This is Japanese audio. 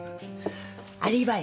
アリバイ！